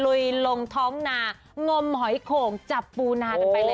ลุยลงท้องนางมหอยโข่งจับปูนากันไปเลย